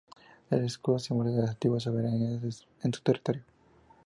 El escudo simboliza las antiguas soberanías en su territorio.